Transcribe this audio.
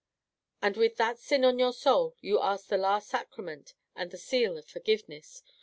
"And with that sin on your soul, you ask the last sacrament and the seal of forgiveness!